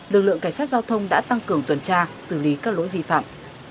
lực lượng cảnh sát giao thông đã tăng cường tuần tra xử lý các lỗi vi phạm